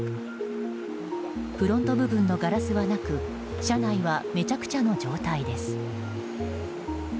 フロント部分のガラスはなく車内はめちゃくちゃの状態です。